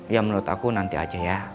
ya menurut aku nanti aja ya